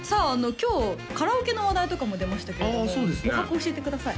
今日カラオケの話題とかも出ましたけれども十八番教えてください